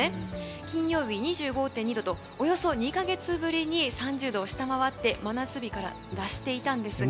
金曜日２５．２度とおよそ２か月ぶりに３０度を下回って真夏日から脱していたんですが。